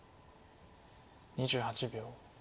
２８秒。